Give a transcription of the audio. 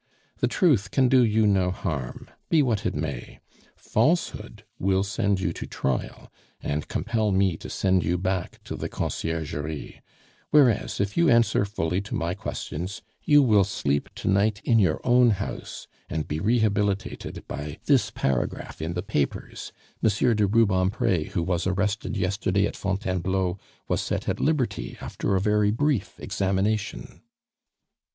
The truth can do you no harm, be it what it may; falsehood will send you to trial, and compel me to send you back to the Conciergerie; whereas if you answer fully to my questions, you will sleep to night in your own house, and be rehabilitated by this paragraph in the papers: 'Monsieur de Rubempre, who was arrested yesterday at Fontainebleau, was set at liberty after a very brief examination.